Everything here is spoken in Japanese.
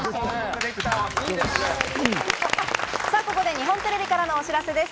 日本テレビからのお知らせです。